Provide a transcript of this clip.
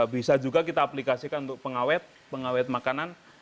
bisa juga kita aplikasikan untuk pengawet pengawet makanan